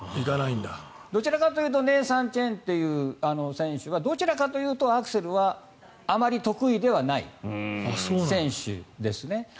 どちらかというとネイサン・チェン選手はどちらかというとアクセルはあまり得意ではない選手ですね。